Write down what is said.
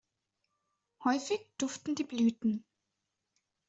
Häufig duften die Blüten.